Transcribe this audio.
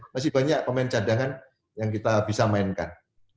masih banyak pemain cadangan yang kita bisa mainkan